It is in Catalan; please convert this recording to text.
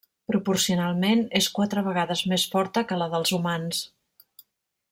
Proporcionalment, és quatre vegades més forta que la dels humans.